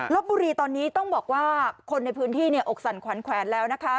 ลบบุรีตอนนี้ต้องบอกว่าคนในพื้นที่อกสั่นขวัญแขวนแล้วนะคะ